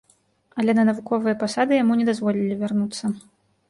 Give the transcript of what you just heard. Але на навуковыя пасады яму не дазволілі вярнуцца.